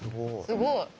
すごい。